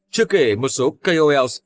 chưa kể một số kols